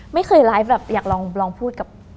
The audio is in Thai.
ไม่เคยไลฟ์แบบอยากลองพูดกับ